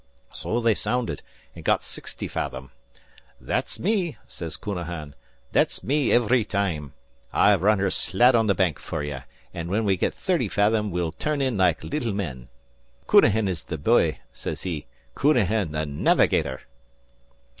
So they sounded, an' got sixty fathom. 'That's me,' sez Counahan. 'That's me iv'ry time! I've run her slat on the Bank fer you, an' when we get thirty fathom we'll turn in like little men. Counahan is the b'y,' sez he. 'Counahan the Navigator!'